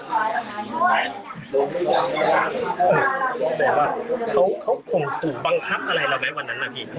บอกว่าเขาคงขุบังคับอะไรแล้วไหมวันนั้นน่ะพี่